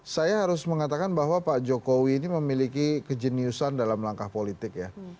saya harus mengatakan bahwa pak jokowi ini memiliki kejeniusan dalam langkah politik ya